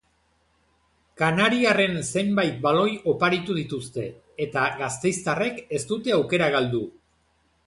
Kanariarren zenbait baloi oparitu dituzte eta gasteiztarrek ez dute aukera galdu.